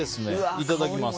いただきます。